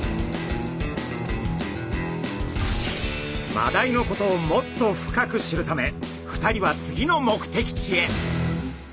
マダイのことをもっと深く知るため２人は次の目的地へ。